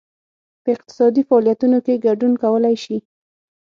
په اقتصادي فعالیتونو کې ګډون کولای شي.